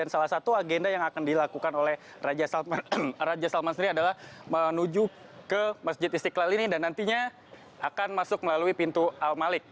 salah satu agenda yang akan dilakukan oleh raja salman sendiri adalah menuju ke masjid istiqlal ini dan nantinya akan masuk melalui pintu al malik